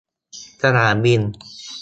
สนามบิน